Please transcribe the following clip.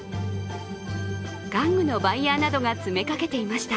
玩具のバイヤーなどが詰めかけていました。